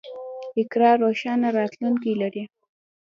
اقرا روښانه راتلونکی لري.